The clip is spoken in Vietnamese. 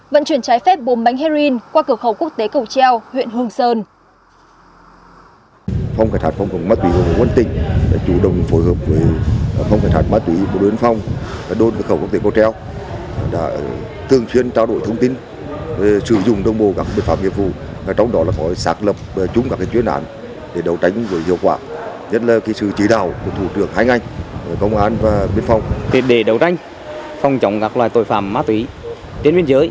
vận chuyển trái phép bốn bánh heroin qua cửa khẩu quốc tế cầu treo huyện hường sơn